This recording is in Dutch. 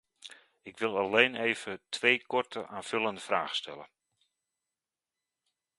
Ik wil alleen even twee korte aanvullende vragen stellen.